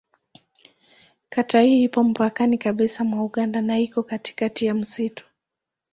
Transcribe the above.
Kata hii ipo mpakani kabisa mwa Uganda na ipo katikati ya msitu.